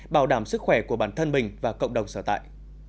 bảo đảm sức khỏe của bản thân mình và cộng đồng sở tại